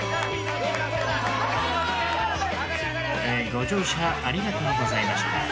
ご乗車ありがとうございました。